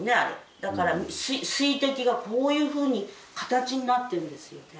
だから水滴がこういうふうに形になってるんですよね。